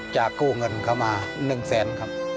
จากกู้เงินเข้ามาหนึ่งแสนครับ